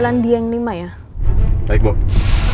kandieng nih maya baiklah hai hai